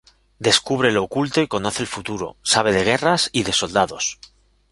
Descubre lo oculto y conoce el futuro, sabe de guerras y de soldados.